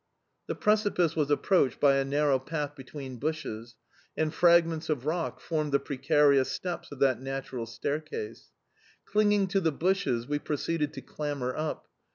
The precipice was approached by a narrow path between bushes, and fragments of rock formed the precarious steps of that natural staircase. Clinging to the bushes we proceeded to clamber up.